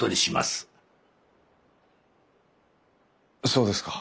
そうですか。